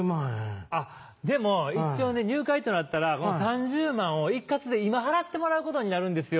でも一応ね入会となったら３０万を一括で今払ってもらうことになるんですよ。